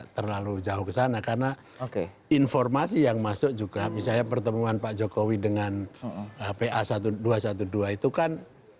terlalu jauh ke sana karena informasi yang masuk juga misalnya pertemuan pak jokowi dengan pa seribu dua ratus dua belas itu kan